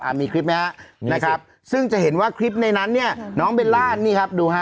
อ่ะมีคลิปไหมครับอ่านี่สินะครับซึ่งจะเห็นว่าคลิปในนั้นเนี่ยน้องเบลล่านี่